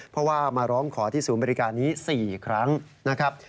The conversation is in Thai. เพราะว่ามาร้องขอที่ศูนย์บริการนี้๔ครั้งนะครับ